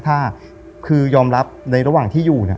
ถ้ายอมรับในระหว่างที่อยู่